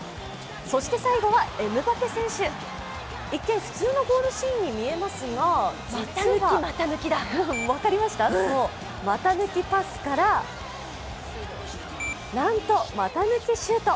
そして最後はエムバペ選手一見、普通のゴールシーンに見えますが実はそう、股抜きパスからなんと股抜きシュート。